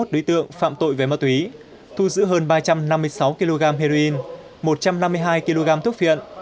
ba sáu trăm bảy mươi một đối tượng phạm tội với ma túy thu giữ hơn ba trăm năm mươi sáu kg heroin một trăm năm mươi hai kg thuốc phiện